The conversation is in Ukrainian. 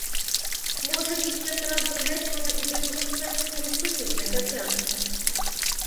Може, їх якраз до гетьмана і до його шведського союзника тягне?